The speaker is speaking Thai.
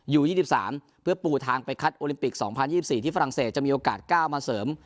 วื้อยี่สิบสามเพื่อปูทางไปคัดสองพันยี่สิบสี่ที่ฝรั่งเศสจะมีโอกาสก้าวมาเสริม